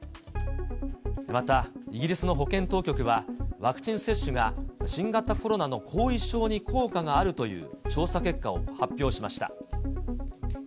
また、イギリスの保健当局は、ワクチン接種が新型コロナの後遺症に効果があるという調査結果を発表しました。